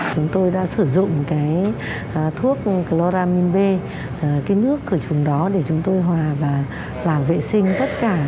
chúng tôi đã sử dụng thuốc cloramin b nước cửa chùm đó để chúng tôi hòa và làm vệ sinh tất cả